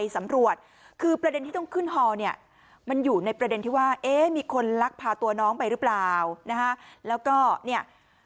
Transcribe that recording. สำรวจคือประเด็นที่ต้องขึ้นฮอเนี่ยมันอยู่ในประเด็นที่ว่าเอ๊ะมีคนลักพาตัวน้องไปหรือเปล่านะฮะแล้วก็เนี่ย